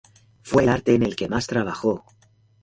Fue el arte en el que más trabajó.